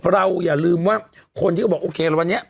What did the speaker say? อย่าลืมว่าคนที่ก็บอกโอเคละวันนี้